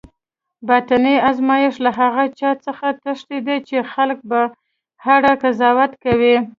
باطني آرامښت له هغه چا څخه تښتي چی د خلکو په اړه قضاوت کوي